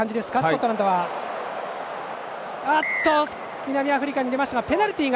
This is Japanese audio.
南アフリカに出たがペナルティー。